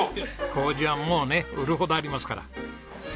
糀はもうね売るほどありますから。